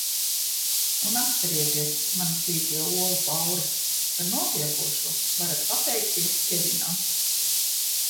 Un atcerieties, mani sīkie olu pauri, par notiekošo varat pateikties Kevinam!